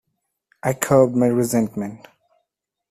I curbed my resentment.